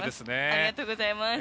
ありがとうございます。